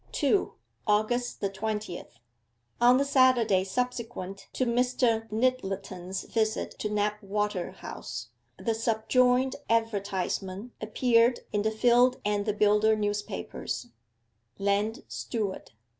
2. AUGUST THE TWENTIETH On the Saturday subsequent to Mr. Nyttleton's visit to Knapwater House, the subjoined advertisement appeared in the Field and the Builder newspapers: 'LAND STEWARD.